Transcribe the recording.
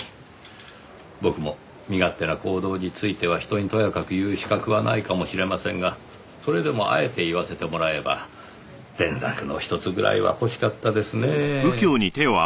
僕も身勝手な行動については人にとやかく言う資格はないかもしれませんがそれでもあえて言わせてもらえば連絡のひとつぐらいは欲しかったですねぇ。